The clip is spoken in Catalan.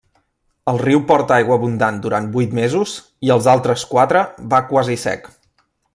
El riu porta aigua abundant durant vuit mesos i els altres quatre va quasi sec.